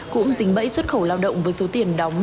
cũng dính bẫy xuất khẩu lao động với số tiền đóng